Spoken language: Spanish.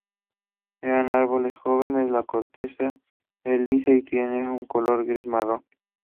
En árboles jóvenes la corteza es lisa y tiene un color gris marrón.